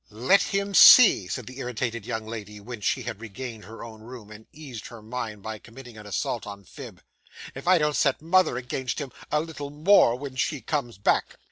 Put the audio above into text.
'Let him see,' said the irritated young lady, when she had regained her own room, and eased her mind by committing an assault on Phib, 'if I don't set mother against him a little more when she comes back!